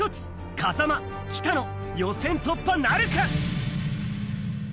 風間、北乃、予選突破なるか。